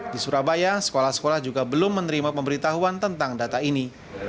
di surabaya sekolah sekolah juga belum menerima pemberitahuan tentang data ini